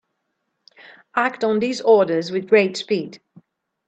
Act on these orders with great speed.